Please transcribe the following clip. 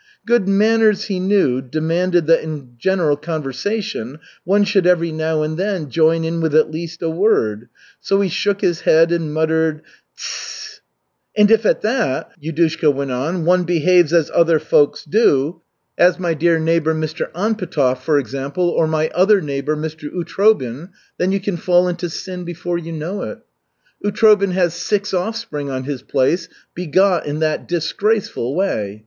Good manners, he knew, demanded that in a general conversation one should every now and then join in with at least a word. So he shook his head and muttered: "Tss " "And if, at that, one behaves as other folks do, as my dear neighbor, Mr. Anpetov, for example, or my other neighbor, Mr. Utrobin, then you can fall into sin before you know it. Utrobin has six offspring on his place begot in that disgraceful way.